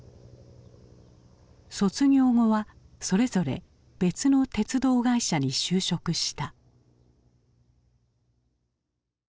卒業後はそれぞれ別の鉄道会社に就職した。